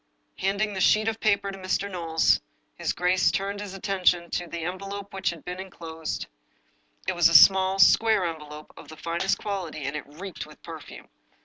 Handing the sheet of paper to Mr. Knowles, his g^ace turned his attention to the envelope which had been in closed. It was a small, square envelope, of the finest qual ity, and it reeked with perfume.